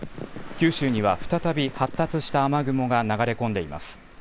九州には再び発達した雨雲が流れ込んでいます。